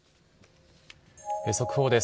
速報です。